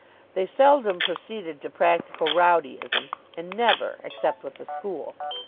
They seldom proceeded to practical rowdyism and never except with the school.